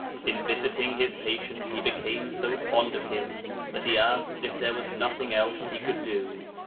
In visiting his patient he became so fond of him that he asked if there was nothing else he could do.